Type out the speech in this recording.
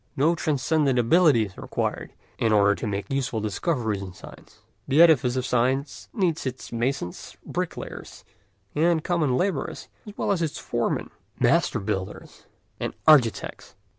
No transcendent ability is required in order to make useful discoveries in science; the edifice of science needs its masons, bricklayers, and common labourers as well as its foremen, master builders, and architects.